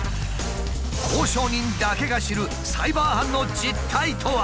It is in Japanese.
交渉人だけが知るサイバー犯の実態とは？